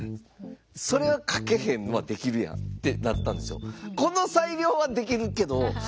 「それはかけへんのはできるやん」ってなったんですよ。